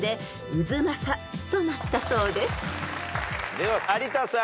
では有田さん。